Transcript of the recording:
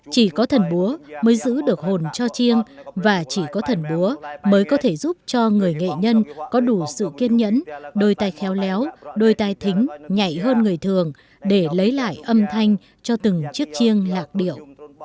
chỉ có thần búa mới giữ được hồn cho chiêng và chỉ có thần búa mới có thể giúp cho người nghệ nhân có đủ sự kiên nhẫn đôi tay khéo léo đôi tay thính nhảy hơn người thường để lấy lại âm thanh cho từng chiếc chiêng lạc điệu